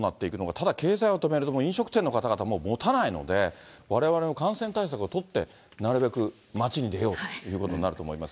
ただ経済は止められても、飲食店の方々、もたないので、われわれも感染対策を取ってなるべく街に出ようということになると思います。